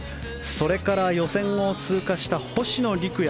それから予選を通過した星野陸也。